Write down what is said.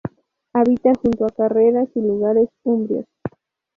Habita junto a carreras y lugares umbríos.